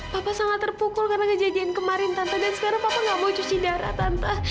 papa sangat terpukul karena ngejagain kemarin tante dan sekarang papa gak mau cuci darah tante